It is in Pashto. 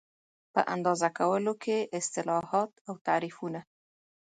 په اندازه کولو کې اصطلاحات او تعریفونه